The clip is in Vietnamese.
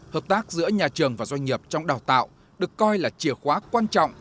hợp tác giữa nhà trường và doanh nghiệp trong đào tạo được coi là chìa khóa quan trọng